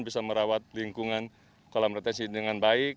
bisa merawat lingkungan kolam retensi dengan baik